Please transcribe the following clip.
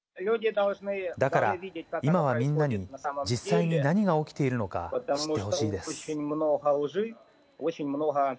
だから、今はみんなに実際に何が起きているのか知ってほしいです。